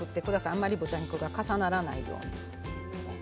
あまり豚肉が重ならないように。